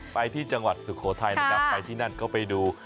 ไปที่จังหวัดสุโขทัยนะครับไปที่นั่นก็ไปดู